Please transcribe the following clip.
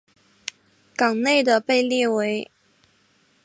港内的被列为。